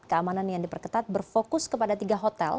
keamanan yang diperketat berfokus kepada tiga hotel